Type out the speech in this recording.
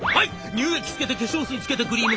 乳液つけて化粧水つけてクリーム！